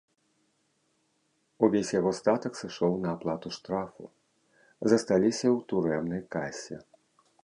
Увесь яго статак сышоў на аплату штрафу, засталіся у турэмнай касе.